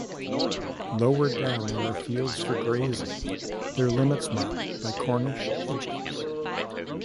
Lower down there are fields for grazing, their limits marked by Cornish Hedges.